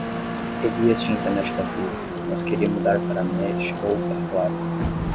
Elias tinha internet da Vivo, mas queria mudar pra Net ou pra Claro.